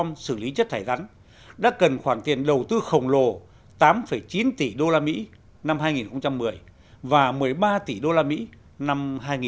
liên hệ nguồn xử lý chất thải rắn đã cần khoảng tiền đầu tư khổng lồ tám chín tỷ usd năm hai nghìn một mươi và một mươi ba tỷ usd năm hai nghìn hai mươi